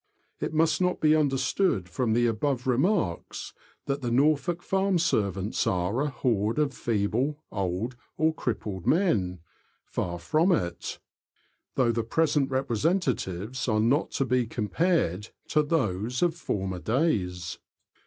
It must not be understood, from the above remarks, that the Norfolk farm servants are a horde of feeble, old, or crippled men ; far from it, though the present representatives are not to be compared to those of former days.